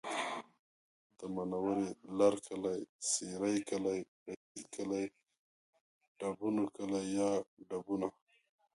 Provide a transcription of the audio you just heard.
د منورې لرکلی، سېرۍ کلی، رشید کلی، ډبونو کلی یا ډبونه